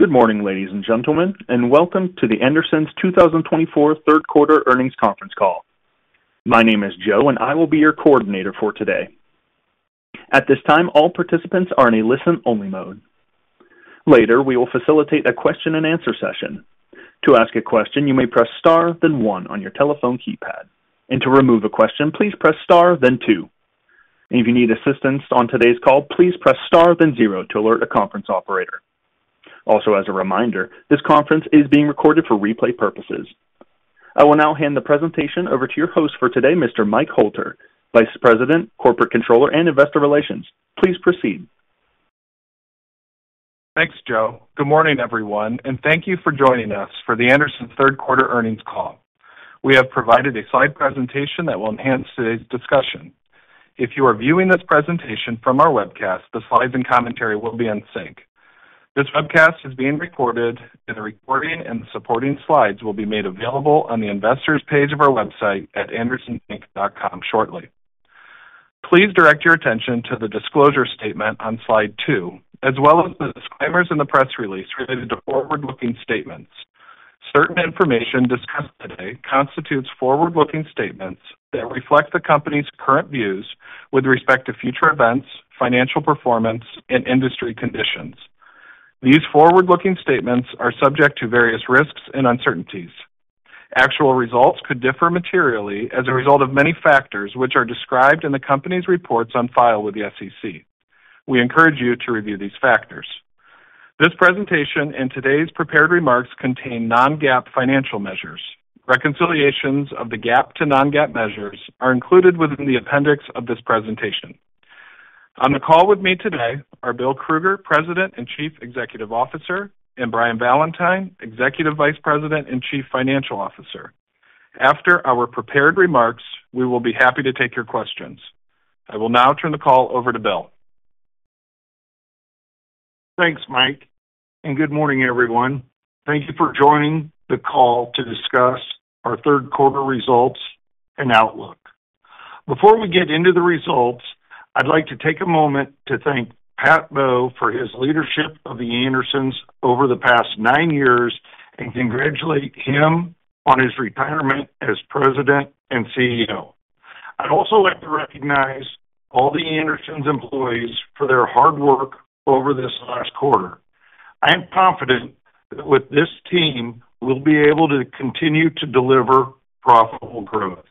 Good morning, ladies and gentlemen, and welcome to The Andersons' 2024 Third Quarter earnings conference call. My name is Joe, and I will be your coordinator for today. At this time, all participants are in a listen-only mode. Later, we will facilitate a question-and-answer session. To ask a question, you may press star, then one on your telephone keypad, and to remove a question, please press star, then two. If you need assistance on today's call, please press star, then zero to alert a conference operator. Also, as a reminder, this conference is being recorded for replay purposes. I will now hand the presentation over to your host for today, Mr. Mike Hoelter, Vice President, Corporate Controller, and Investor Relations. Please proceed. Thanks, Joe. Good morning, everyone, and thank you for joining us for The Andersons' Third Quarter earnings call. We have provided a slide presentation that will enhance today's discussion. If you are viewing this presentation from our webcast, the slides and commentary will be in sync. This webcast is being recorded, and the recording and the supporting slides will be made available on the investors' page of our website at AndersonsInc.com shortly. Please direct your attention to the disclosure statement on slide two, as well as the disclaimers in the press release related to forward-looking statements. Certain information discussed today constitutes forward-looking statements that reflect the company's current views with respect to future events, financial performance, and industry conditions. These forward-looking statements are subject to various risks and uncertainties. Actual results could differ materially as a result of many factors which are described in the company's reports on file with the SEC. We encourage you to review these factors. This presentation and today's prepared remarks contain non-GAAP financial measures. Reconciliations of the GAAP to non-GAAP measures are included within the appendix of this presentation. On the call with me today are Bill Krueger, President and Chief Executive Officer, and Brian Valentine, Executive Vice President and Chief Financial Officer. After our prepared remarks, we will be happy to take your questions. I will now turn the call over to Bill. Thanks, Mike, and good morning, everyone. Thank you for joining the call to discuss our third quarter results and outlook. Before we get into the results, I'd like to take a moment to thank Pat Bowe for his leadership of The Andersons over the past nine years and congratulate him on his retirement as President and CEO. I'd also like to recognize all The Andersons employees for their hard work over this last quarter. I am confident that with this team, we'll be able to continue to deliver profitable growth.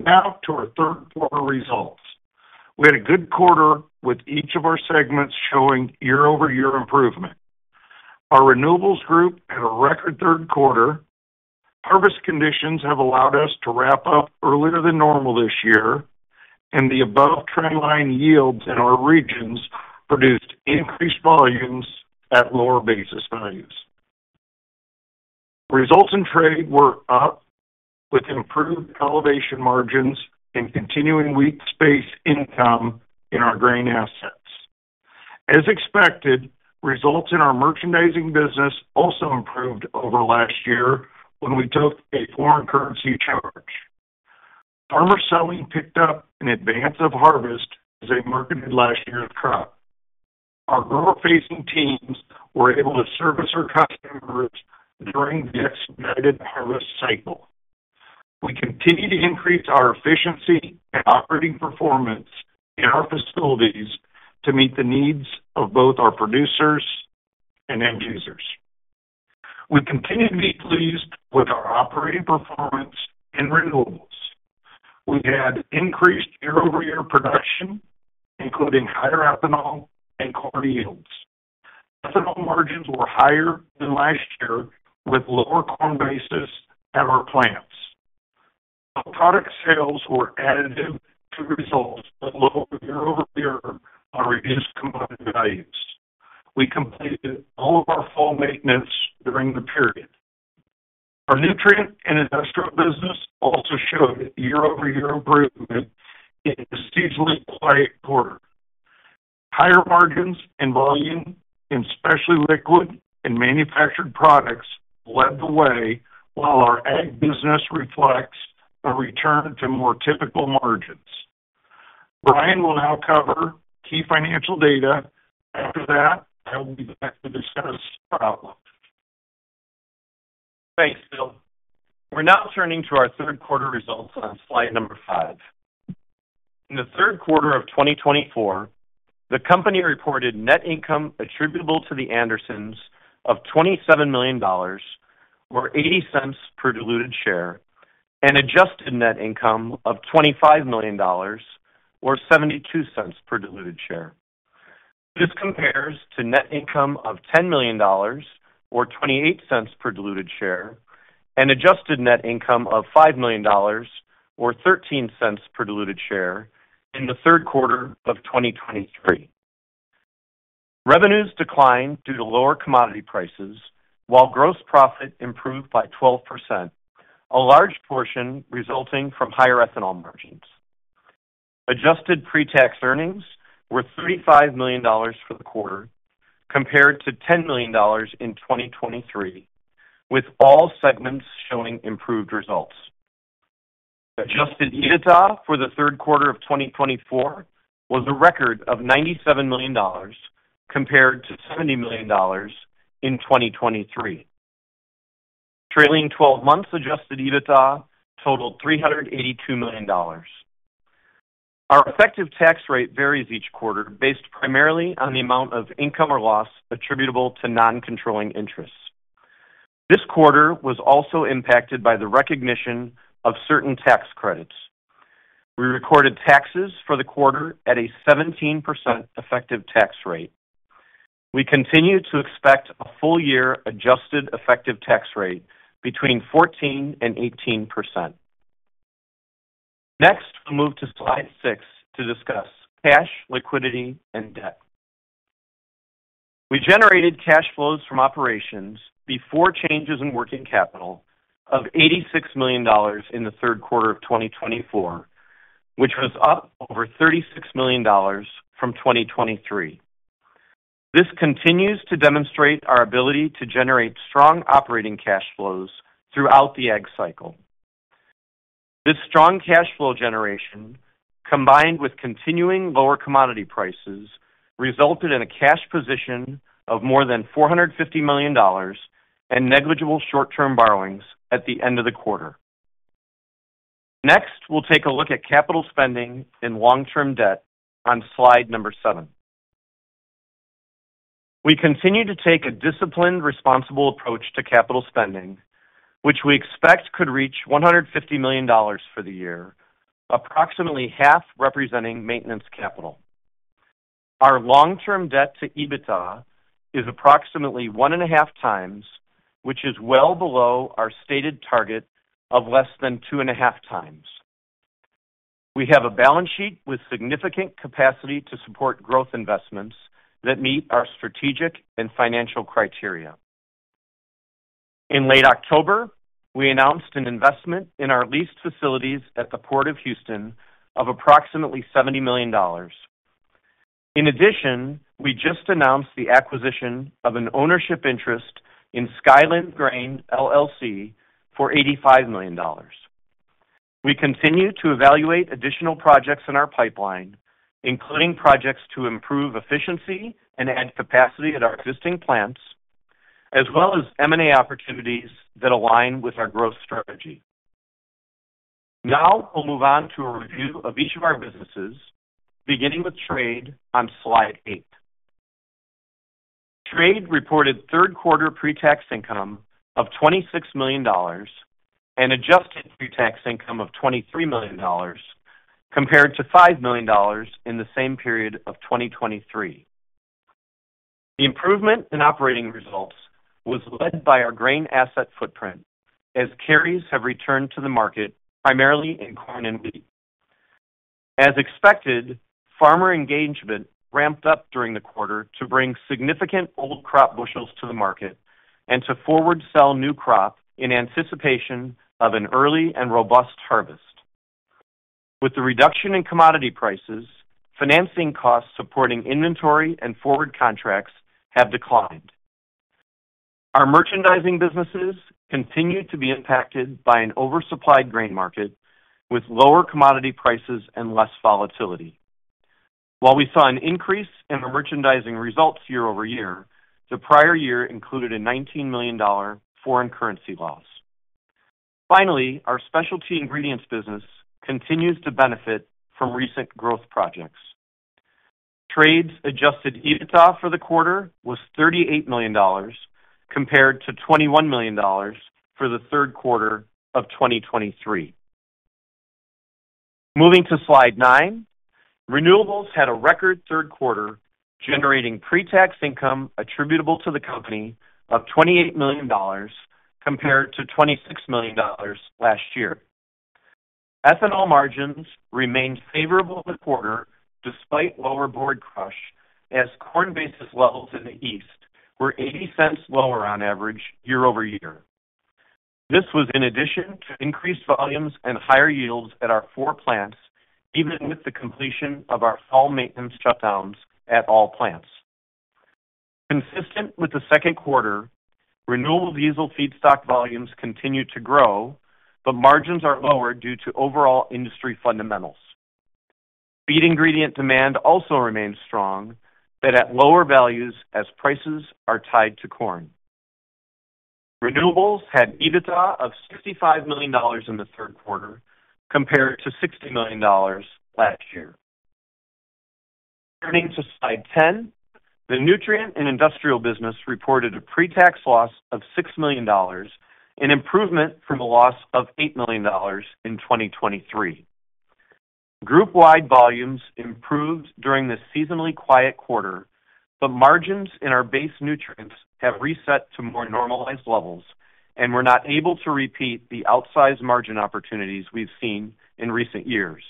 Now to our third quarter results. We had a good quarter with each of our segments showing year-over-year improvement. Our renewables group had a record third quarter. Harvest conditions have allowed us to wrap up earlier than normal this year, and the above trendline yields in our regions produced increased volumes at lower basis values. Results in trade were up with improved elevation margins and continuing weak space income in our grain assets. As expected, results in our merchandising business also improved over last year when we took a foreign currency charge. Farmer selling picked up in advance of harvest as they marketed last year's crop. Our grower-facing teams were able to service our customers during the expedited harvest cycle. We continue to increase our efficiency and operating performance in our facilities to meet the needs of both our producers and end users. We continue to be pleased with our operating performance in renewables. We had increased year-over-year production, including higher ethanol and corn yields. Ethanol margins were higher than last year with lower corn basis at our plants. Our product sales were additive to the results with lower year-over-year on reduced component values. We completed all of our fall maintenance during the period. Our nutrient and industrial business also showed year-over-year improvement in this seasonally quiet quarter. Higher margins and volume in specialty liquids and manufactured products led the way, while our ag business reflects a return to more typical margins. Brian will now cover key financial data. After that, I will be back to discuss our outlook. Thanks, Bill. We're now turning to our third quarter results on slide number five. In the third quarter of 2024, the company reported net income attributable to The Andersons of $27 million, or $0.80 per diluted share, and adjusted net income of $25 million, or $0.72 per diluted share. This compares to net income of $10 million, or $0.28 per diluted share, and adjusted net income of $5 million, or $0.13 per diluted share in the third quarter of 2023. Revenues declined due to lower commodity prices, while gross profit improved by 12%, a large portion resulting from higher ethanol margins. Adjusted pre-tax earnings were $35 million for the quarter, compared to $10 million in 2023, with all segments showing improved results. Adjusted EBITDA for the third quarter of 2024 was a record of $97 million, compared to $70 million in 2023. Trailing 12 months Adjusted EBITDA totaled $382 million. Our effective tax rate varies each quarter based primarily on the amount of income or loss attributable to non-controlling interest. This quarter was also impacted by the recognition of certain tax credits. We recorded taxes for the quarter at a 17% effective tax rate. We continue to expect a full-year adjusted effective tax rate between 14%-18%. Next, we'll move to slide six to discuss cash, liquidity, and debt. We generated cash flows from operations before changes in working capital of $86 million in the third quarter of 2024, which was up over $36 million from 2023. This continues to demonstrate our ability to generate strong operating cash flows throughout the ag cycle. This strong cash flow generation, combined with continuing lower commodity prices, resulted in a cash position of more than $450 million and negligible short-term borrowings at the end of the quarter. Next, we'll take a look at capital spending and long-term debt on slide number seven. We continue to take a disciplined, responsible approach to capital spending, which we expect could reach $150 million for the year, approximately half representing maintenance capital. Our long-term debt to EBITDA is approximately 1.5x, which is well below our stated target of less than 2.5x. We have a balance sheet with significant capacity to support growth investments that meet our strategic and financial criteria. In late October, we announced an investment in our leased facilities at the Port of Houston of approximately $70 million. In addition, we just announced the acquisition of an ownership interest in Skyland Grain, LLC, for $85 million. We continue to evaluate additional projects in our pipeline, including projects to improve efficiency and add capacity at our existing plants, as well as M&A opportunities that align with our growth strategy. Now we'll move on to a review of each of our businesses, beginning with trade on slide eight. Trade reported third quarter pre-tax income of $26 million and adjusted pre-tax income of $23 million, compared to $5 million in the same period of 2023. The improvement in operating results was led by our grain asset footprint, as carries have returned to the market primarily in corn and wheat. As expected, farmer engagement ramped up during the quarter to bring significant old crop bushels to the market and to forward sell new crop in anticipation of an early and robust harvest. With the reduction in commodity prices, financing costs supporting inventory and forward contracts have declined. Our merchandising businesses continue to be impacted by an oversupplied grain market with lower commodity prices and less volatility. While we saw an increase in our merchandising results year-over-year, the prior year included a $19 million foreign currency loss. Finally, our specialty ingredients business continues to benefit from recent growth projects. Trade's adjusted EBITDA for the quarter was $38 million, compared to $21 million for the third quarter of 2023. Moving to slide nine, renewables had a record third quarter generating pre-tax income attributable to the company of $28 million, compared to $26 million last year. Ethanol margins remained favorable the quarter despite lower board crush, as corn basis levels in the east were 80 cents lower on average year-over-year. This was in addition to increased volumes and higher yields at our four plants, even with the completion of our fall maintenance shutdowns at all plants. Consistent with the second quarter, renewable diesel feedstock volumes continue to grow, but margins are lower due to overall industry fundamentals. Feed ingredient demand also remains strong, but at lower values as prices are tied to corn. Renewables had EBITDA of $65 million in the third quarter, compared to $60 million last year. Turning to slide 10, the nutrient and industrial business reported a pre-tax loss of $6 million and improvement from a loss of $8 million in 2023. Group-wide volumes improved during the seasonally quiet quarter, but margins in our base nutrients have reset to more normalized levels and were not able to repeat the outsized margin opportunities we've seen in recent years.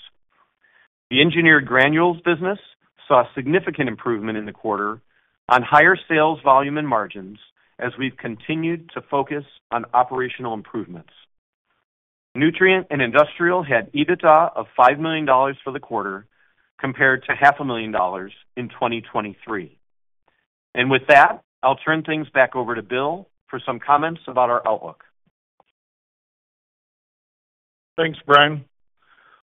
The engineered granules business saw significant improvement in the quarter on higher sales volume and margins as we've continued to focus on operational improvements. Nutrient and industrial had EBITDA of $5 million for the quarter, compared to $500,000 in 2023. With that, I'll turn things back over to Bill for some comments about our outlook. Thanks, Brian.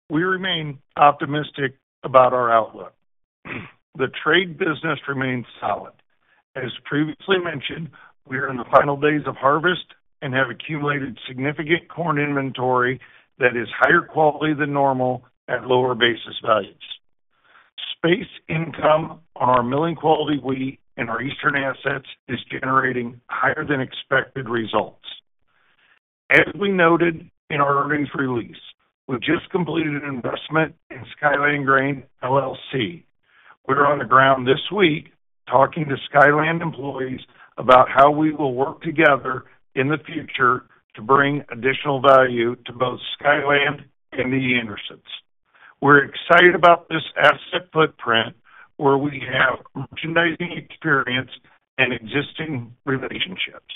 We remain optimistic about our outlook. The trade business remains solid. As previously mentioned, we are in the final days of harvest and have accumulated significant corn inventory that is higher quality than normal at lower basis values. Space income on our milling quality wheat and our eastern assets is generating higher than expected results. As we noted in our earnings release, we've just completed an investment in Skyland Grain, LLC. We're on the ground this week talking to Skyland employees about how we will work together in the future to bring additional value to both Skyland and The Andersons. We're excited about this asset footprint where we have merchandising experience and existing relationships.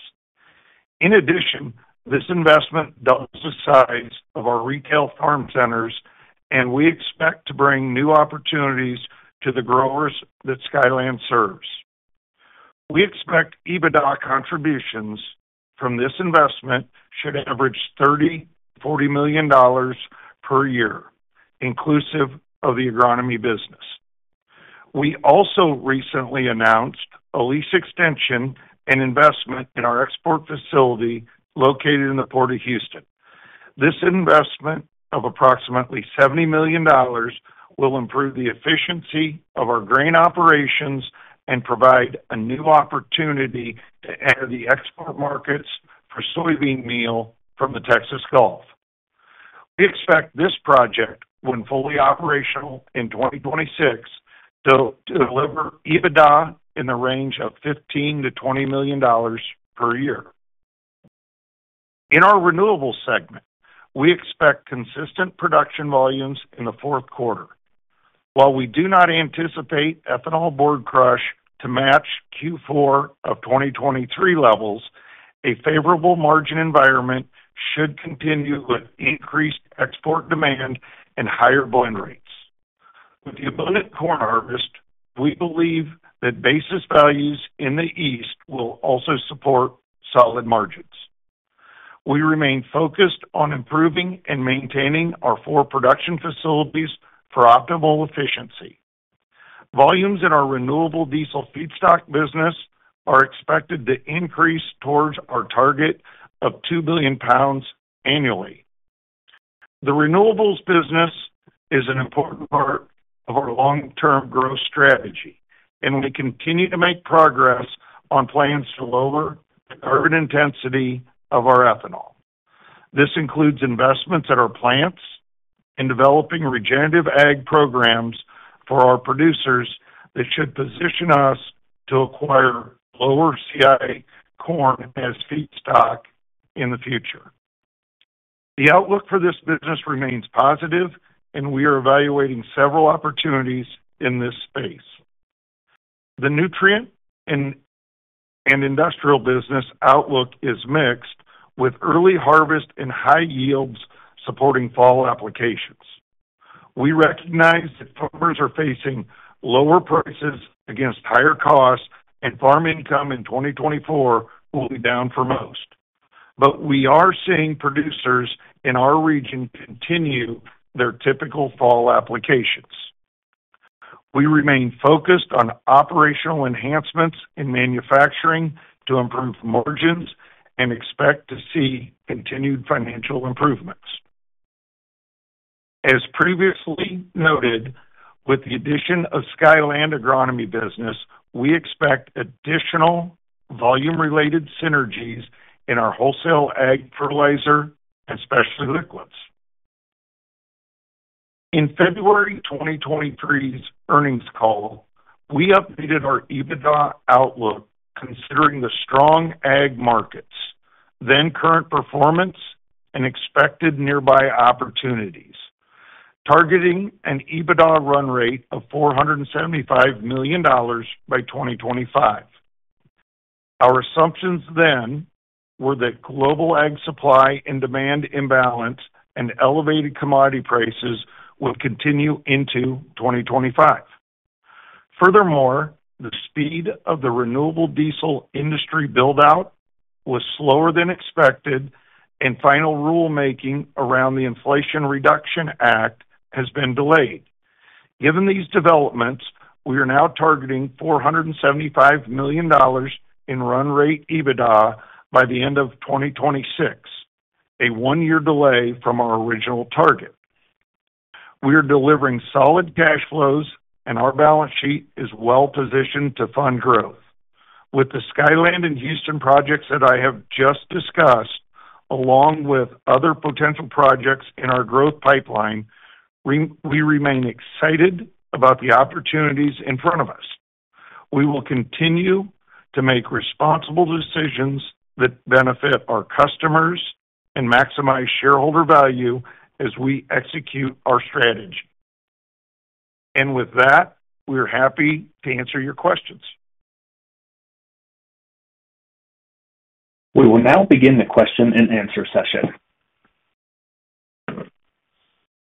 In addition, this investment doubles the size of our retail farm centers, and we expect to bring new opportunities to the growers that Skyland serves. We expect EBITDA contributions from this investment should average $30 million-$40 million per year, inclusive of the agronomy business. We also recently announced a lease extension and investment in our export facility located in the Port of Houston. This investment of approximately $70 million will improve the efficiency of our grain operations and provide a new opportunity to enter the export markets for soybean meal from the Texas Gulf. We expect this project, when fully operational in 2026, to deliver EBITDA in the range of $15 million-$20 million per year. In our renewables segment, we expect consistent production volumes in the fourth quarter. While we do not anticipate ethanol board crush to match Q4 of 2023 levels, a favorable margin environment should continue with increased export demand and higher blend rates. With the abundant corn harvest, we believe that basis values in the east will also support solid margins. We remain focused on improving and maintaining our four production facilities for optimal efficiency. Volumes in our renewable diesel feedstock business are expected to increase towards our target of $2 billion annually. The renewables business is an important part of our long-term growth strategy, and we continue to make progress on plans to lower the carbon intensity of our ethanol. This includes investments at our plants and developing regenerative ag programs for our producers that should position us to acquire lower CI corn as feedstock in the future. The outlook for this business remains positive, and we are evaluating several opportunities in this space. The nutrient and industrial business outlook is mixed, with early harvest and high yields supporting fall applications. We recognize that farmers are facing lower prices against higher costs, and farm income in 2024 will be down for most, but we are seeing producers in our region continue their typical fall applications. We remain focused on operational enhancements in manufacturing to improve margins and expect to see continued financial improvements. As previously noted, with the addition of Skyland agronomy business, we expect additional volume-related synergies in our wholesale ag fertilizer and specialty liquids. In February 2023's earnings call, we updated our EBITDA outlook considering the strong ag markets, than current performance, and expected near-term opportunities, targeting an EBITDA run rate of $475 million by 2025. Our assumptions then were that global ag supply and demand imbalance and elevated commodity prices will continue into 2025. Furthermore, the speed of the renewable diesel industry buildout was slower than expected, and final rulemaking around the Inflation Reduction Act has been delayed. Given these developments, we are now targeting $475 million in run rate EBITDA by the end of 2026, a one-year delay from our original target. We are delivering solid cash flows, and our balance sheet is well positioned to fund growth. With the Skyland and Houston projects that I have just discussed, along with other potential projects in our growth pipeline, we remain excited about the opportunities in front of us. We will continue to make responsible decisions that benefit our customers and maximize shareholder value as we execute our strategy. With that, we are happy to answer your questions. We will now begin the question and answer session.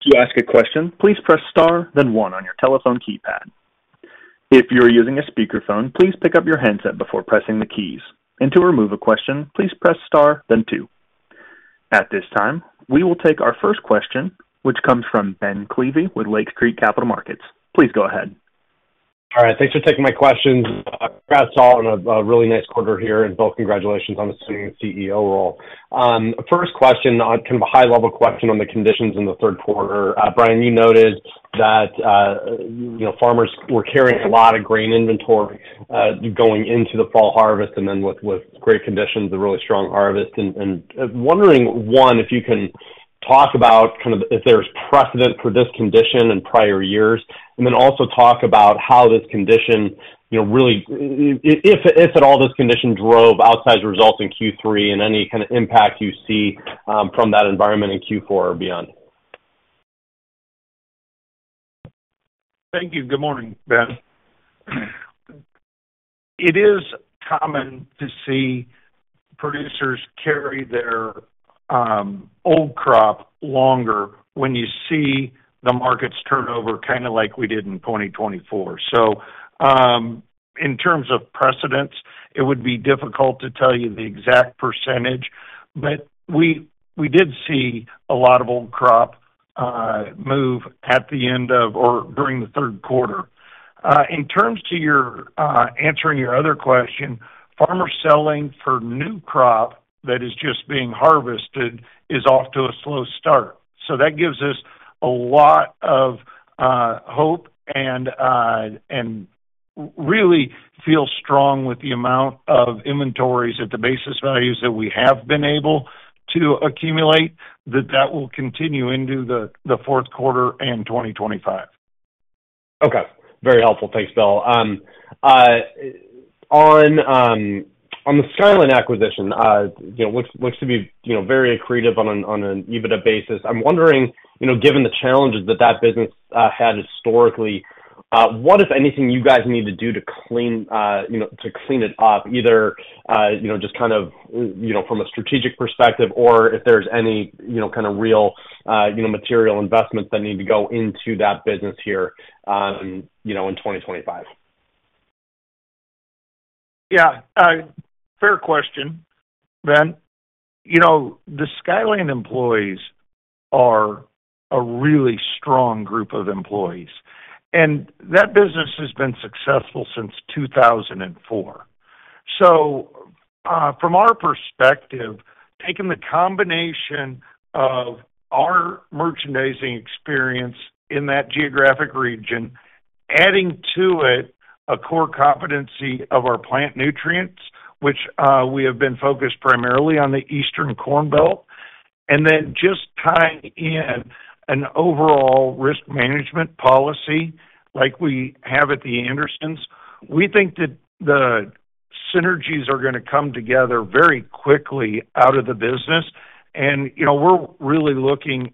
To ask a question, please press star, then one on your telephone keypad. If you are using a speakerphone, please pick up your handset before pressing the keys. And to remove a question, please press star, then two. At this time, we will take our first question, which comes from Ben Klieve with Lake Street Capital Markets. Please go ahead. All right. Thanks for taking my questions. Congrats all on a really nice quarter here, and congratulations on assuming the CEO role. First question, kind of a high-level question on the conditions in the third quarter. Brian, you noted that farmers were carrying a lot of grain inventory going into the fall harvest, and then with great conditions, a really strong harvest, and wondering, one, if you can talk about kind of if there's precedent for this condition in prior years, and then also talk about how this condition really, if at all, this condition drove outsized results in Q3 and any kind of impact you see from that environment in Q4 or beyond. Thank you. Good morning, Ben. It is common to see producers carry their old crop longer when you see the markets turn over kind of like we did in 2024. So in terms of precedent, it would be difficult to tell you the exact percentage, but we did see a lot of old crop move at the end of or during the third quarter. In terms of answering your other question, farmers selling for new crop that is just being harvested is off to a slow start. So that gives us a lot of hope and really feel strong with the amount of inventories at the basis values that we have been able to accumulate that will continue into the fourth quarter and 2025. Okay. Very helpful. Thanks, Bill. On the Skyland acquisition, which looks to be very accretive on an EBITDA basis, I'm wondering, given the challenges that that business had historically, what, if anything, you guys need to do to clean it up, either just kind of from a strategic perspective or if there's any kind of real material investments that need to go into that business here in 2025? Yeah. Fair question, Ben. The Skyland employees are a really strong group of employees, and that business has been successful since 2004. So from our perspective, taking the combination of our merchandising experience in that geographic region, adding to it a core competency of our plant nutrients, which we have been focused primarily on the Eastern Corn Belt, and then just tying in an overall risk management policy like we have at The Andersons, we think that the synergies are going to come together very quickly out of the business. And we're really looking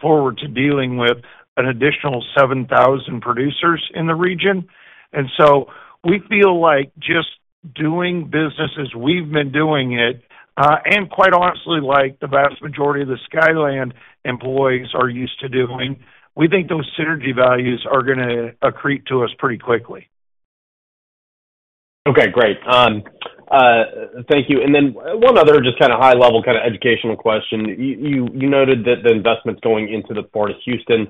forward to dealing with an additional 7,000 producers in the region. And so we feel like just doing business as we've been doing it, and quite honestly, like the vast majority of the Skyland employees are used to doing, we think those synergy values are going to accrete to us pretty quickly. Okay. Great. Thank you. And then one other just kind of high-level kind of educational question. You noted that the investment's going into the Port of Houston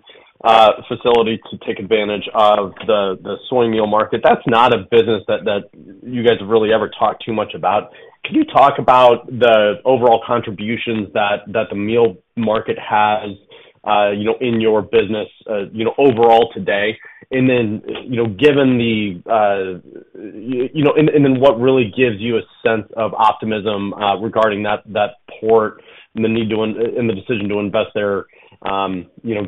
facility to take advantage of the soy meal market. That's not a business that you guys have really ever talked too much about. Can you talk about the overall contributions that the meal market has in your business overall today? And then given the what really gives you a sense of optimism regarding that port and the need to and the decision to invest there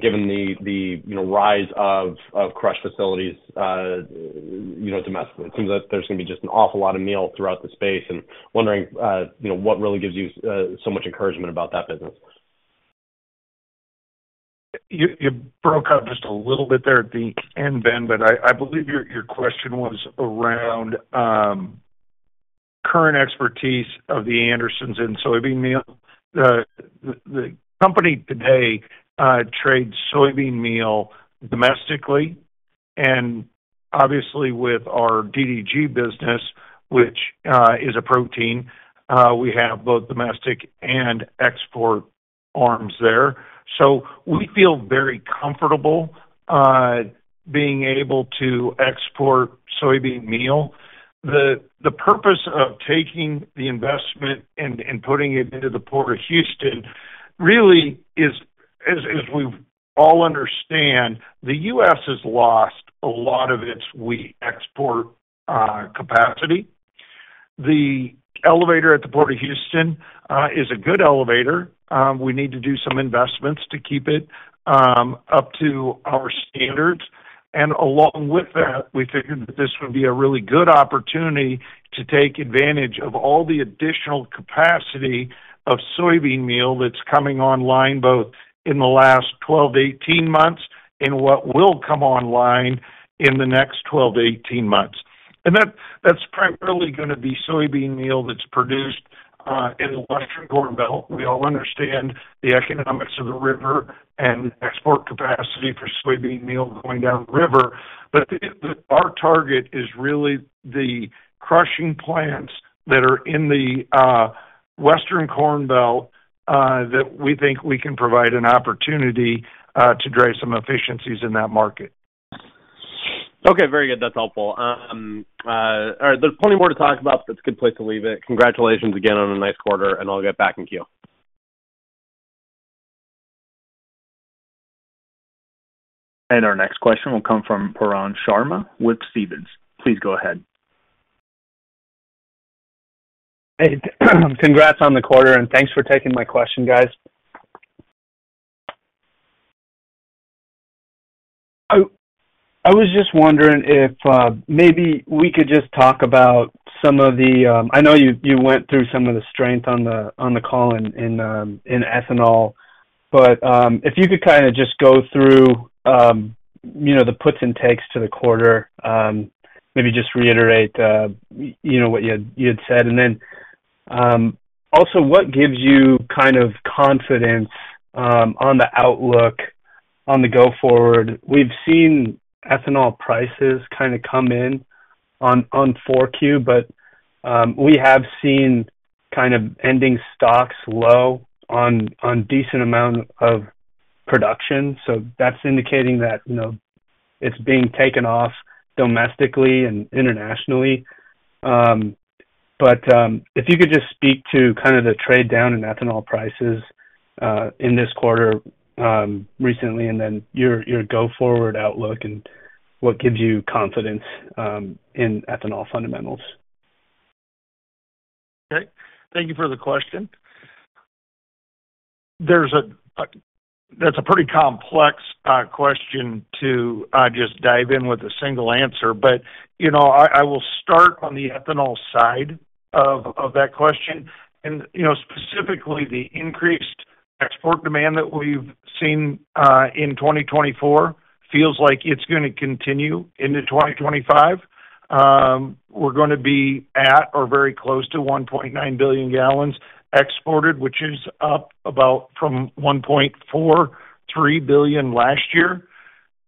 given the rise of crush facilities domestically? It seems like there's going to be just an awful lot of meal throughout the space. And wondering what really gives you so much encouragement about that business. You broke up just a little bit there at the end, Ben, but I believe your question was around current expertise of The Andersons in soybean meal. The company today trades soybean meal domestically. And obviously, with our DDG business, which is a protein, we have both domestic and export arms there. So we feel very comfortable being able to export soybean meal. The purpose of taking the investment and putting it into the Port of Houston really is, as we all understand, the U.S. has lost a lot of its wheat export capacity. The elevator at the Port of Houston is a good elevator. We need to do some investments to keep it up to our standards. And along with that, we figured that this would be a really good opportunity to take advantage of all the additional capacity of soybean meal that's coming online both in the last 12-18 months and what will come online in the next 12-18 months. And that's primarily going to be soybean meal that's produced in the Western Corn Belt. We all understand the economics of the river and export capacity for soybean meal going downriver. But our target is really the crushing plants that are in the Western Corn Belt that we think we can provide an opportunity to drive some efficiencies in that market. Okay. Very good. That's helpful. All right. There's plenty more to talk about, but that's a good place to leave it. Congratulations again on a nice quarter, and I'll get back in queue. Our next question will come from Pooran Sharma with Stephens. Please go ahead. Congrats on the quarter, and thanks for taking my question, guys. I was just wondering if maybe we could just talk about some of the. I know you went through some of the strength on the call in ethanol, but if you could kind of just go through the puts and takes to the quarter, maybe just reiterate what you had said. And then also, what gives you kind of confidence on the outlook on the go-forward? We've seen ethanol prices kind of come in on Q4, but we have seen kind of ending stocks low on decent amount of production. So that's indicating that it's being taken off domestically and internationally. But if you could just speak to kind of the trade-down in ethanol prices in this quarter recently, and then your go-forward outlook and what gives you confidence in ethanol fundamentals? Okay. Thank you for the question. That's a pretty complex question to just dive in with a single answer, but I will start on the ethanol side of that question, and specifically, the increased export demand that we've seen in 2024 feels like it's going to continue into 2025. We're going to be at or very close to 1.9 billion gallons exported, which is up about from 1.43 billion last year.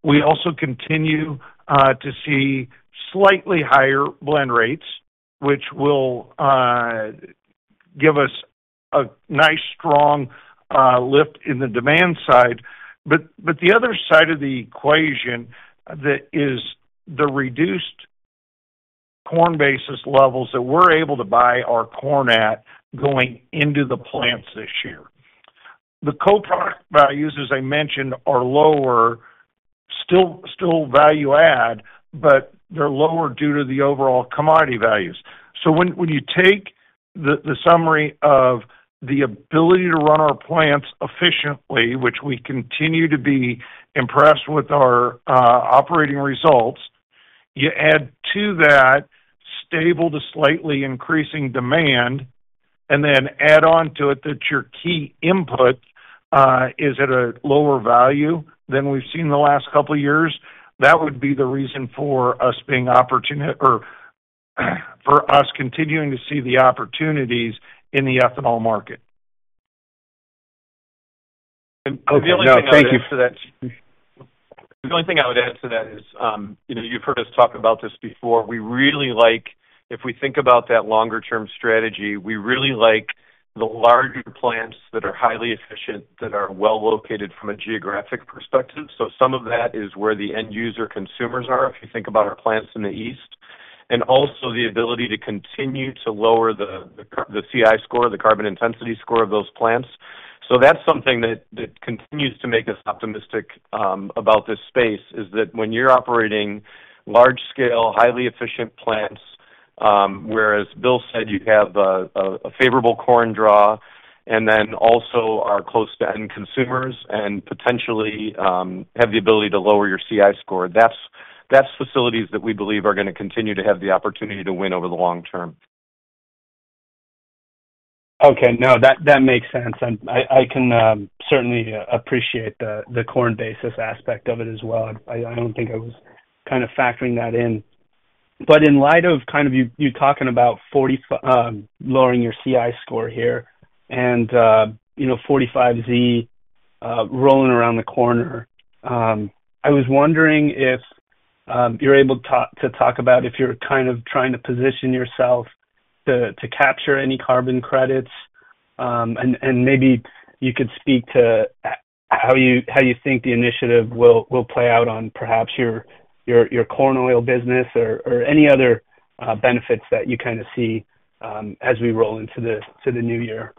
We also continue to see slightly higher blend rates, which will give us a nice strong lift in the demand side, but the other side of the equation is the reduced corn basis levels that we're able to buy our corn at going into the plants this year. The co-product values, as I mentioned, are lower, still value-add, but they're lower due to the overall commodity values. When you take the summary of the ability to run our plants efficiently, which we continue to be impressed with our operating results, you add to that stable to slightly increasing demand, and then add on to it that your key input is at a lower value than we've seen the last couple of years, that would be the reason for us being optimistic or for us continuing to see the opportunities in the ethanol market. Okay. Thank you. The only thing I would add to that is you've heard us talk about this before. We really like, if we think about that longer-term strategy, we really like the larger plants that are highly efficient, that are well located from a geographic perspective. So some of that is where the end user consumers are, if you think about our plants in the east, and also the ability to continue to lower the CI score, the carbon intensity score of those plants. So that's something that continues to make us optimistic about this space, is that when you're operating large-scale, highly efficient plants, whereas Bill said you have a favorable corn draw, and then also are close to end consumers and potentially have the ability to lower your CI score, that's facilities that we believe are going to continue to have the opportunity to win over the long term. Okay. No, that makes sense. I can certainly appreciate the corn basis aspect of it as well. I don't think I was kind of factoring that in. But in light of kind of you talking about lowering your CI score here and 45Z rolling around the corner, I was wondering if you're able to talk about if you're kind of trying to position yourself to capture any carbon credits, and maybe you could speak to how you think the initiative will play out on perhaps your corn oil business or any other benefits that you kind of see as we roll into the new year.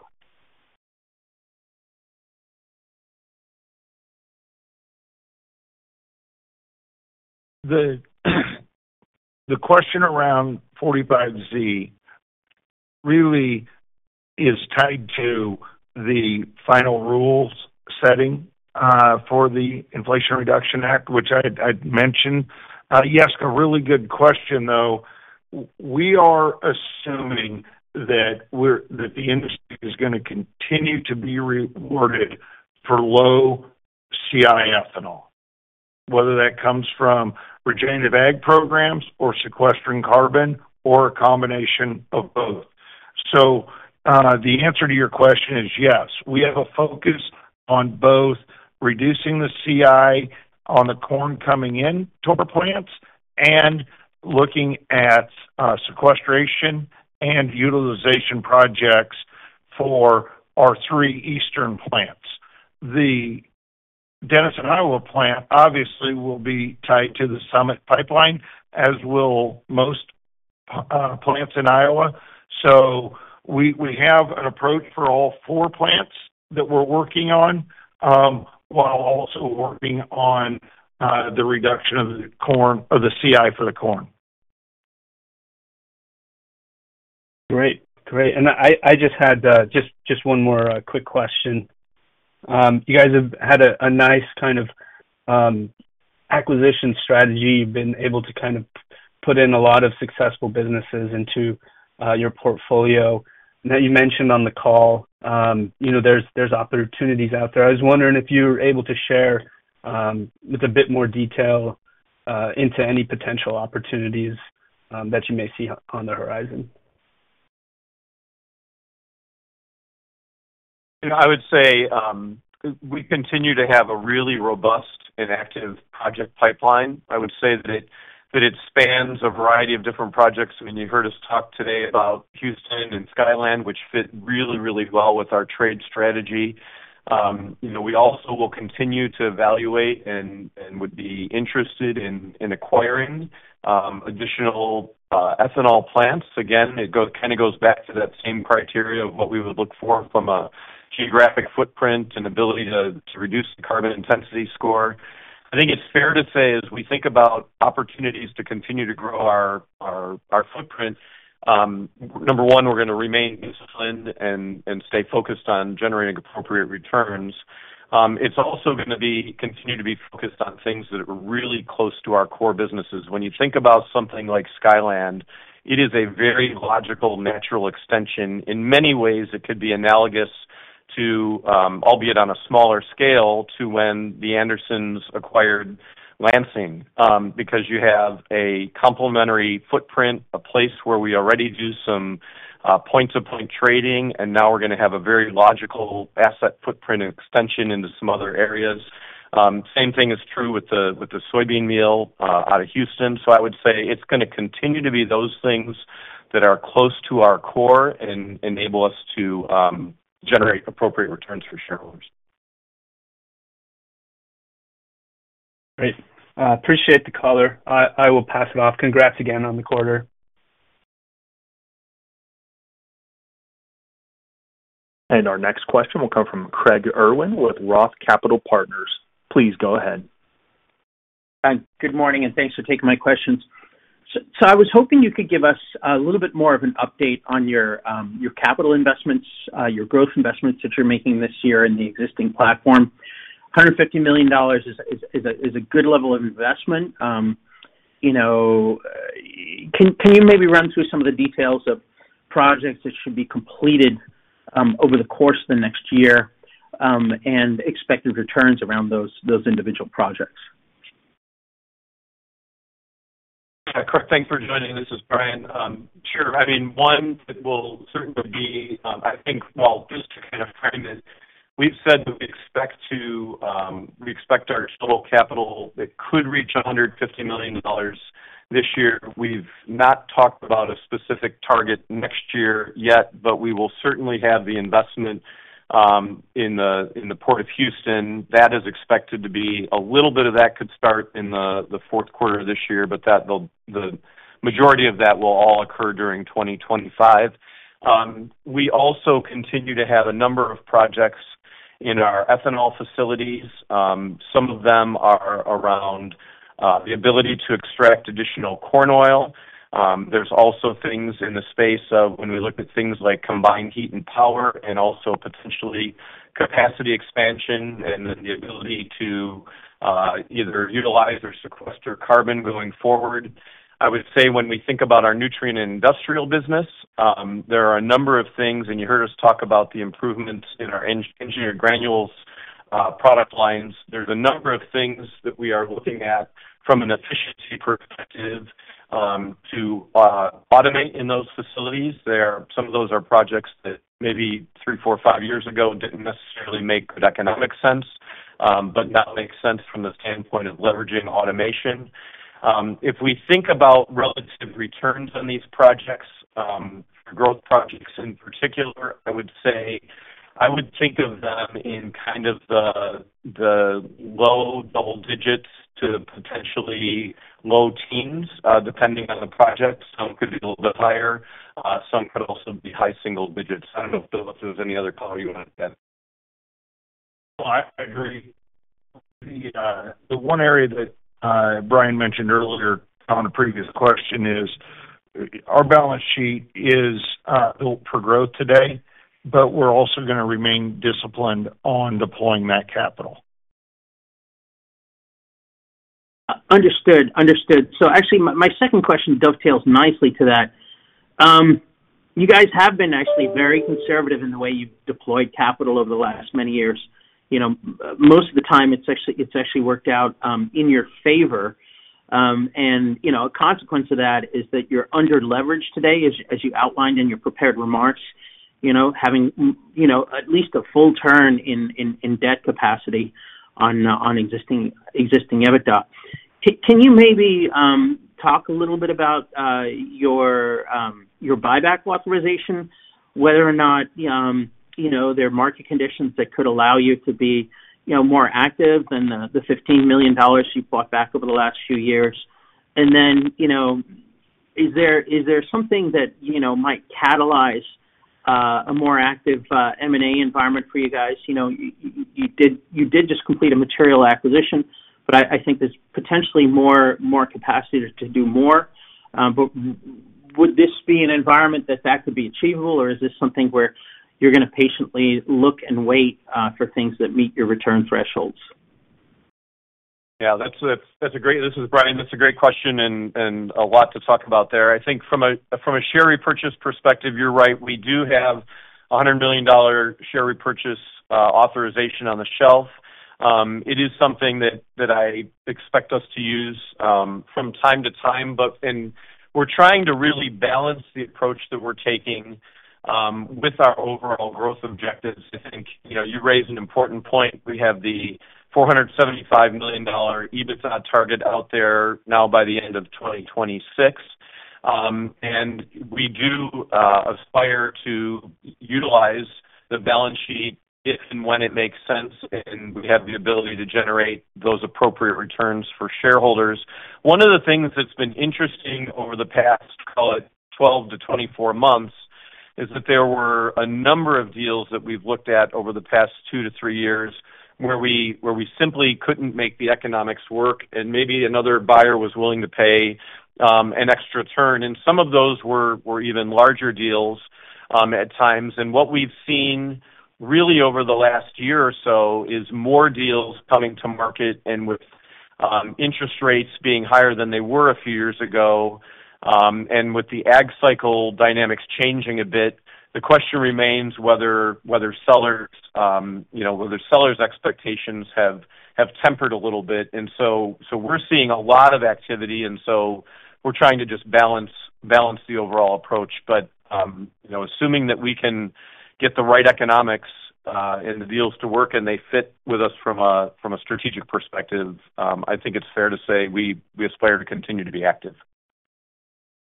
The question around 45Z really is tied to the final rules setting for the Inflation Reduction Act, which I'd mentioned. Yes, a really good question, though. We are assuming that the industry is going to continue to be rewarded for low CI ethanol, whether that comes from regenerative ag programs or sequestering carbon or a combination of both. So the answer to your question is yes. We have a focus on both reducing the CI on the corn coming into our plants and looking at sequestration and utilization projects for our three eastern plants. The Denison, Iowa plant obviously will be tied to the Summit pipeline, as will most plants in Iowa. So we have an approach for all four plants that we're working on while also working on the reduction of the CI for the corn. Great. Great. And I just had one more quick question. You guys have had a nice kind of acquisition strategy. You've been able to kind of put in a lot of successful businesses into your portfolio. And then you mentioned on the call there's opportunities out there. I was wondering if you were able to share with a bit more detail into any potential opportunities that you may see on the horizon. I would say we continue to have a really robust and active project pipeline. I would say that it spans a variety of different projects. I mean, you heard us talk today about Houston and Skyland, which fit really, really well with our trade strategy. We also will continue to evaluate and would be interested in acquiring additional ethanol plants. Again, it kind of goes back to that same criteria of what we would look for from a geographic footprint and ability to reduce the carbon intensity score. I think it's fair to say, as we think about opportunities to continue to grow our footprint, number one, we're going to remain disciplined and stay focused on generating appropriate returns. It's also going to continue to be focused on things that are really close to our core businesses. When you think about something like Skyland, it is a very logical, natural extension. In many ways, it could be analogous to, albeit on a smaller scale, to when The Andersons acquired Lansing because you have a complementary footprint, a place where we already do some point-to-point trading, and now we're going to have a very logical asset footprint extension into some other areas. Same thing is true with the soybean meal out of Houston. So I would say it's going to continue to be those things that are close to our core and enable us to generate appropriate returns for shareholders. Great. Appreciate the color. I will pass it off. Congrats again on the quarter. And our next question will come from Craig Irwin with Roth Capital Partners. Please go ahead. Good morning, and thanks for taking my questions. So I was hoping you could give us a little bit more of an update on your capital investments, your growth investments that you're making this year in the existing platform. $150 million is a good level of investment. Can you maybe run through some of the details of projects that should be completed over the course of the next year and expected returns around those individual projects? Yeah. Thanks for joining. This is Brian. Sure. I mean, one that will certainly be, I think, well, just to kind of frame it, we've said that we expect our total capital that could reach $150 million this year. We've not talked about a specific target next year yet, but we will certainly have the investment in the Port of Houston. That is expected to be a little bit of that could start in the fourth quarter of this year, but the majority of that will all occur during 2025. We also continue to have a number of projects in our ethanol facilities. Some of them are around the ability to extract additional corn oil. There's also things in the space of when we look at things like combined heat and power and also potentially capacity expansion and the ability to either utilize or sequester carbon going forward. I would say when we think about our nutrient and industrial business, there are a number of things, and you heard us talk about the improvements in our engineered granules product lines. There's a number of things that we are looking at from an efficiency perspective to automate in those facilities. Some of those are projects that maybe three, four, five years ago didn't necessarily make good economic sense, but now make sense from the standpoint of leveraging automation. If we think about relative returns on these projects, growth projects in particular, I would say I would think of them in kind of the low double digits to potentially low teens, depending on the project. Some could be a little bit higher. Some could also be high single digits. I don't know, Bill, if there was any other call you wanted to get. Well, I agree. The one area that Brian mentioned earlier on a previous question is our balance sheet built for growth today, but we're also going to remain disciplined on deploying that capital. Understood. So actually, my second question dovetails nicely to that. You guys have been actually very conservative in the way you've deployed capital over the last many years. Most of the time, it's actually worked out in your favor. And a consequence of that is that you're under-leveraged today, as you outlined in your prepared remarks, having at least a full turn in debt capacity on existing EBITDA. Can you maybe talk a little bit about your buyback authorization, whether or not there are market conditions that could allow you to be more active than the $15 million you bought back over the last few years? And then is there something that might catalyze a more active M&A environment for you guys? You did just complete a material acquisition, but I think there's potentially more capacity to do more. But would this be an environment that could be achievable, or is this something where you're going to patiently look and wait for things that meet your return thresholds? Yeah. This is Brian. That's a great question and a lot to talk about there. I think from a share repurchase perspective, you're right. We do have a $100 million share repurchase authorization on the shelf. It is something that I expect us to use from time to time, but we're trying to really balance the approach that we're taking with our overall growth objectives. I think you raise an important point. We have the $475 million EBITDA target out there now by the end of 2026, and we do aspire to utilize the balance sheet if and when it makes sense, and we have the ability to generate those appropriate returns for shareholders. One of the things that's been interesting over the past, call it, 12-24 months, is that there were a number of deals that we've looked at over the past two to three years where we simply couldn't make the economics work, and maybe another buyer was willing to pay an extra turn, and some of those were even larger deals at times, and what we've seen really over the last year or so is more deals coming to market and with interest rates being higher than they were a few years ago, and with the ag cycle dynamics changing a bit, the question remains whether sellers' expectations have tempered a little bit, and so we're seeing a lot of activity, and so we're trying to just balance the overall approach. But assuming that we can get the right economics and the deals to work and they fit with us from a strategic perspective, I think it's fair to say we aspire to continue to be active.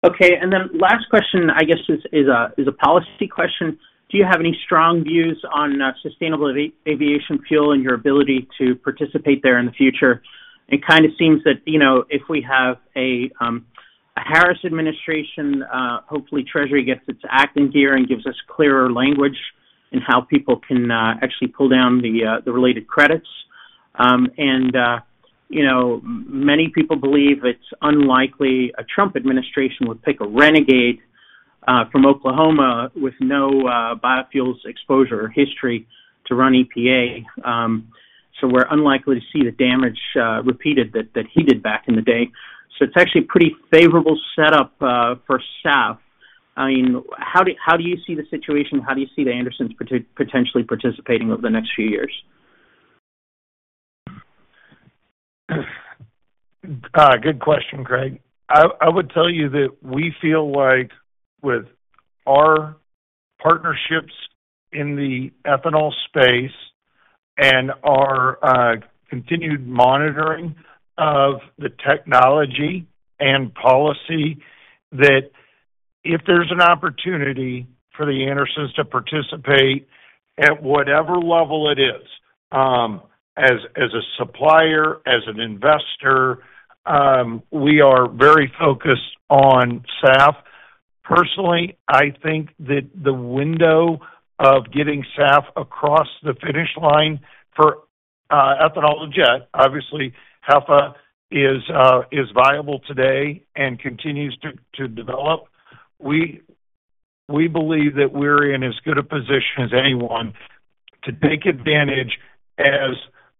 Okay. And then last question, I guess, is a policy question. Do you have any strong views on sustainable aviation fuel and your ability to participate there in the future? It kind of seems that if we have a Harris administration, hopefully Treasury gets its act in gear and gives us clearer language in how people can actually pull down the related credits. And many people believe it's unlikely a Trump administration would pick a renegade from Oklahoma with no biofuels exposure or history to run EPA. So we're unlikely to see the damage repeated that he did back in the day. So it's actually a pretty favorable setup for SAF. I mean, how do you see the situation? How do you see The Andersons potentially participating over the next few years? Good question, Craig. I would tell you that we feel like with our partnerships in the ethanol space and our continued monitoring of the technology and policy, that if there's an opportunity for The Andersons to participate at whatever level it is, as a supplier, as an investor, we are very focused on SAF. Personally, I think that the window of getting SAF across the finish line for ethanol to jet, obviously, HEFA is viable today and continues to develop. We believe that we're in as good a position as anyone to take advantage as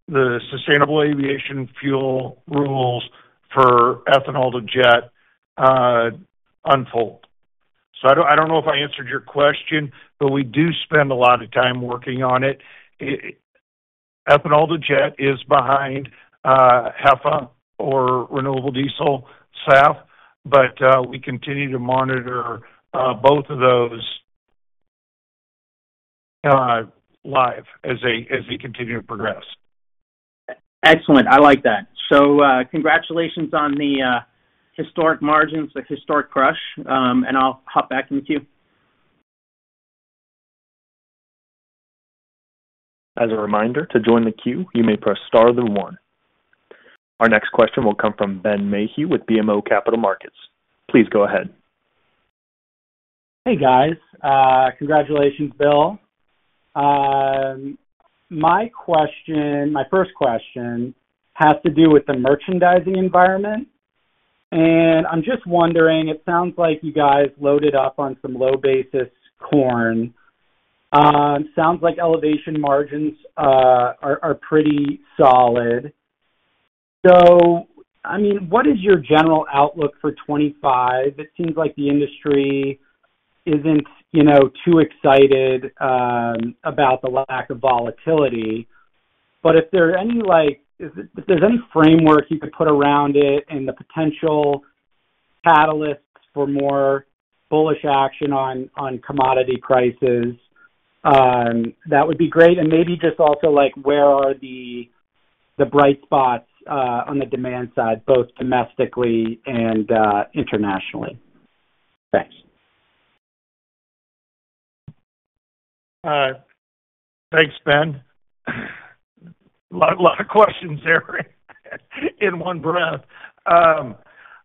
the sustainable aviation fuel rules for ethanol to jet unfold. So I don't know if I answered your question, but we do spend a lot of time working on it. Ethanol to jet is behind HEFA or renewable diesel SAF, but we continue to monitor both of those live as they continue to progress. Excellent. I like that. So congratulations on the historic margins, the historic crush, and I'll hop back into the queue. As a reminder, to join the queue, you may press star then one. Our next question will come from Ben Mayhew with BMO Capital Markets. Please go ahead. Hey, guys. Congratulations, Bill. My first question has to do with the merchandising environment, and I'm just wondering, it sounds like you guys loaded up on some low-basis corn. Sounds like elevation margins are pretty solid, so I mean, what is your general outlook for 2025? It seems like the industry isn't too excited about the lack of volatility, but if there's any framework you could put around it and the potential catalysts for more bullish action on commodity prices, that would be great, and maybe just also where are the bright spots on the demand side, both domestically and internationally? Thanks. Thanks, Ben. A lot of questions there in one breath.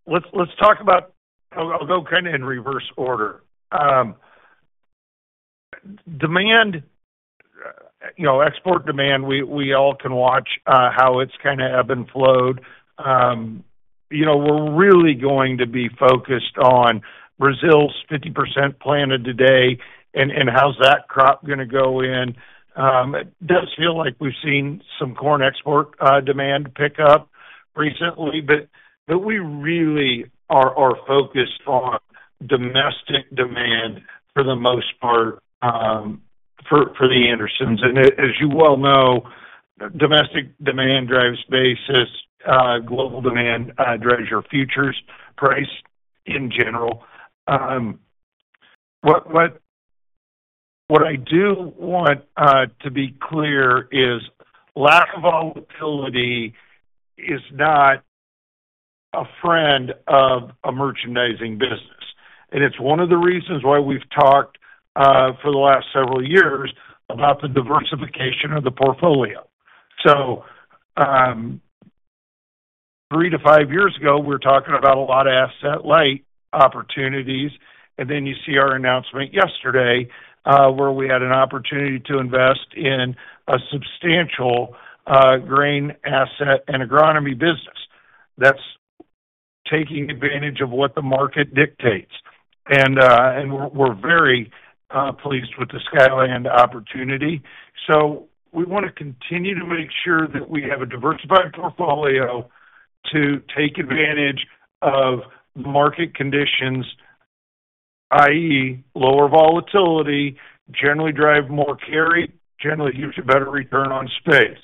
Let's talk about. I'll go kind of in reverse order. Export demand, we all can watch how it's kind of ebb and flowed. We're really going to be focused on Brazil's 50% planted today and how's that crop going to go in? It does feel like we've seen some corn export demand pick up recently, but we really are focused on domestic demand for the most part for The Andersons. And as you well know, domestic demand drives basis. Global demand drives your futures price in general. What I do want to be clear is lack of volatility is not a friend of a merchandising business. And it's one of the reasons why we've talked for the last several years about the diversification of the portfolio. So three to five years ago, we were talking about a lot of asset-light opportunities. And then you see our announcement yesterday where we had an opportunity to invest in a substantial grain asset and agronomy business that's taking advantage of what the market dictates. And we're very pleased with the Skyland opportunity. So we want to continue to make sure that we have a diversified portfolio to take advantage of market conditions, i.e., lower volatility, generally drive more carry, generally use a better return on space.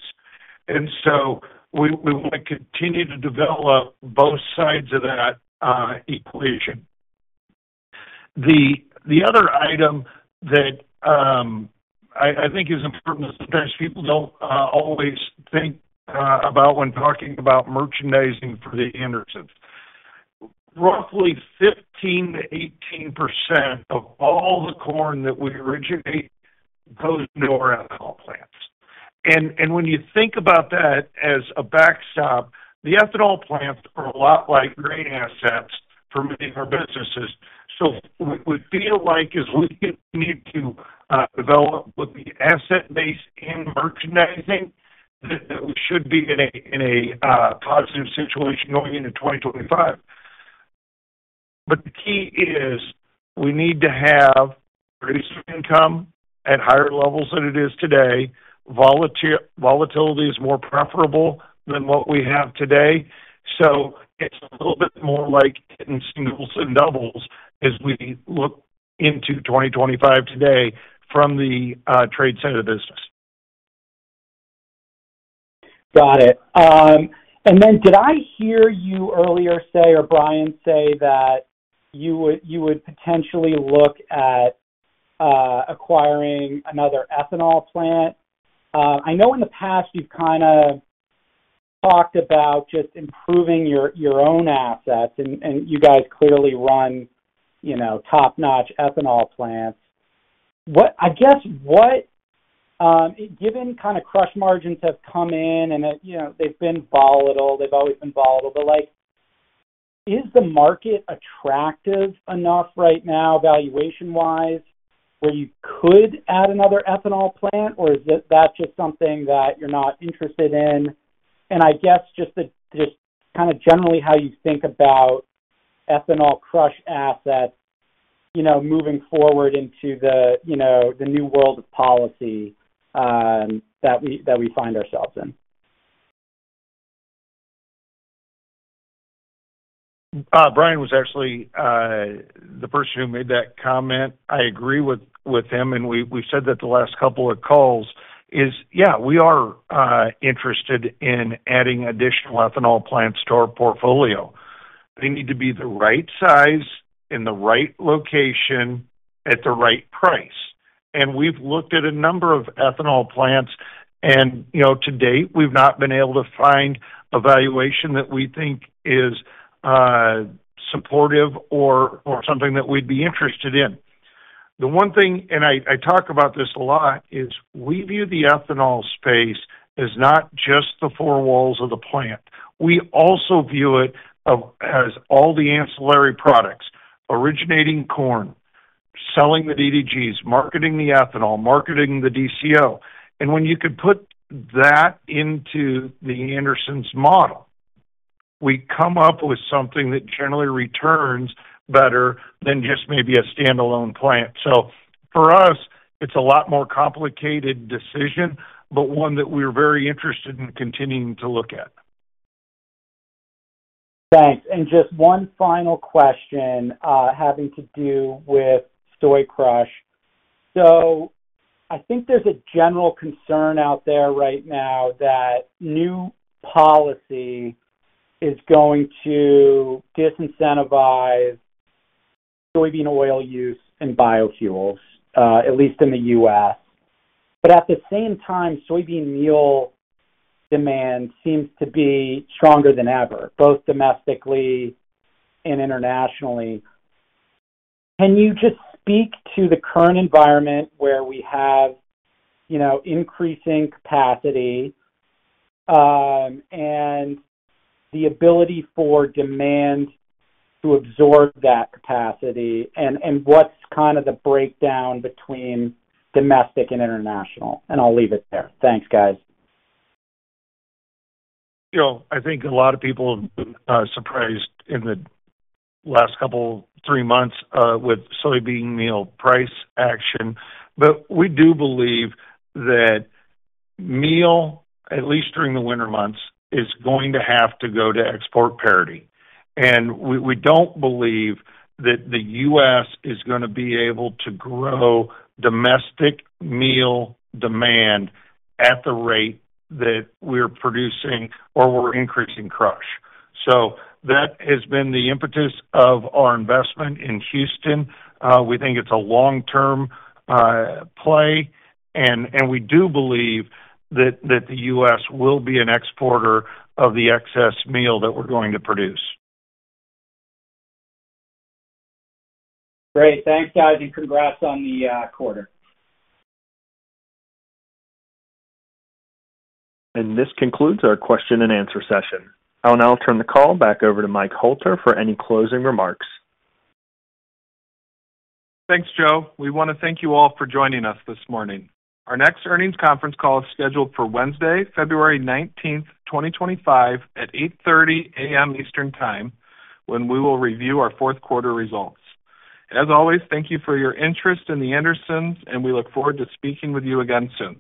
And so we want to continue to develop both sides of that equation. The other item that I think is important is sometimes people don't always think about when talking about merchandising for The Andersons. Roughly 15%-18% of all the corn that we originate goes into our ethanol plants. And when you think about that as a backstop, the ethanol plants are a lot like grain assets for many of our businesses. So we feel like as we continue to develop both the asset base and merchandising, that we should be in a positive situation going into 2025. But the key is we need to have producer income at higher levels than it is today. Volatility is more preferable than what we have today. So it's a little bit more like hitting singles and doubles as we look into 2025 today from the trade side of the business. Got it. And then did I hear you earlier say, or Brian say, that you would potentially look at acquiring another ethanol plant? I know in the past you've kind of talked about just improving your own assets, and you guys clearly run top-notch ethanol plants. I guess, given kind of crush margins have come in and they've been volatile, they've always been volatile, but is the market attractive enough right now valuation-wise where you could add another ethanol plant, or is that just something that you're not interested in? And I guess just kind of generally how you think about ethanol crush assets moving forward into the new world of policy that we find ourselves in. Brian was actually the person who made that comment. I agree with him, and we've said that the last couple of calls is, yeah, we are interested in adding additional ethanol plants to our portfolio. They need to be the right size in the right location at the right price, and we've looked at a number of ethanol plants, and to date, we've not been able to find a valuation that we think is supportive or something that we'd be interested in. The one thing, and I talk about this a lot, is we view the ethanol space as not just the four walls of the plant. We also view it as all the ancillary products: originating corn, selling the DDGs, marketing the ethanol, marketing the DCO. And when you could put that into The Andersons' model, we come up with something that generally returns better than just maybe a standalone plant. So for us, it's a lot more complicated decision, but one that we're very interested in continuing to look at. Thanks. And just one final question having to do with soy crush. So I think there's a general concern out there right now that new policy is going to disincentivize soybean oil use in biofuels, at least in the U.S. But at the same time, soybean meal demand seems to be stronger than ever, both domestically and internationally. Can you just speak to the current environment where we have increasing capacity and the ability for demand to absorb that capacity? And what's kind of the breakdown between domestic and international? And I'll leave it there. Thanks, guys. I think a lot of people are surprised in the last couple of three months with soybean meal price action. But we do believe that meal, at least during the winter months, is going to have to go to export parity. And we don't believe that the U.S. is going to be able to grow domestic meal demand at the rate that we're producing or we're increasing crush. So that has been the impetus of our investment in Houston. We think it's a long-term play. And we do believe that the U.S. will be an exporter of the excess meal that we're going to produce. Great. Thanks, guys, and congrats on the quarter. This concludes our question and answer session. I'll now turn the call back over to Mike Hoelter for any closing remarks. Thanks, Joe. We want to thank you all for joining us this morning. Our next earnings conference call is scheduled for Wednesday, February 19th, 2025, at 8:30 A.M. Eastern Time, when we will review our fourth quarter results. As always, thank you for your interest in The Andersons, and we look forward to speaking with you again soon.